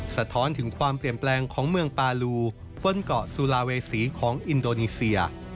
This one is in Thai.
สะท้อนถึงความเปลี่ยนแปลงของเมืองปาลูบนเกาะสุลาเวษีของอินโดนีเซีย